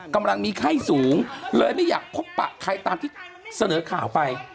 กำลังมีไข้สูงเลยไม่อยากพบปะใครตามที่เสนอข่าวไป